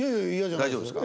大丈夫ですか？